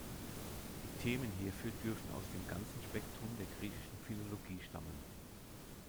Die Themen hierfür dürfen aus dem ganzen Spektrum der griechischen Philologie stammen.